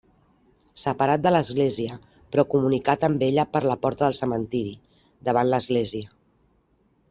Separat de l'església però comunicat amb ella per la porta del cementiri, davant l'església.